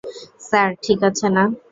Sir, ঠিক আছে না?